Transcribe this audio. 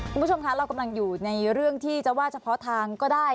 คุณผู้ชมคะเรากำลังอยู่ในเรื่องที่จะว่าเฉพาะทางก็ได้